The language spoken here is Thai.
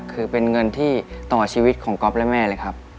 คือเป็นเงินที่ต่อชีวิตของก๊อฟและแม่เลยครับ